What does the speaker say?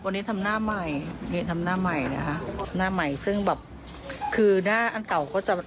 วันนี้ทำหน้าใหม่นี่ทำหน้าใหม่นะคะหน้าใหม่ซึ่งแบบคือหน้าอันเก่าก็จะ